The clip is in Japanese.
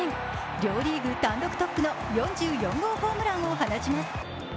両リーグ単独トップの４４号ホームランを放ちます。